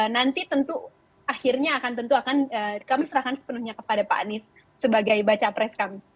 nanti tentu akhirnya akan tentu akan kami serahkan sepenuhnya kepada pak anies sebagai baca pres kami